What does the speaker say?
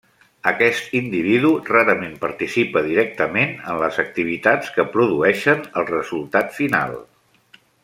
Aquest individu rarament participa directament en les activitats que produeixen el resultat final.